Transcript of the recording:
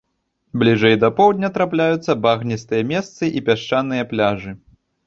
Бліжэй да поўдня трапляюцца багністыя месцы і пясчаныя пляжы.